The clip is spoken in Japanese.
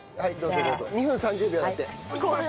２分３０秒だって。